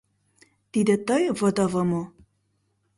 — Тиде тый ВДВ мо?